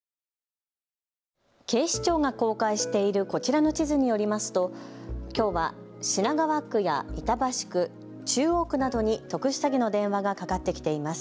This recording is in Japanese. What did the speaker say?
警視庁が公開しているこちらの地図によりますときょうは品川区や板橋区、中央区などに特殊詐欺の電話がかかってきています。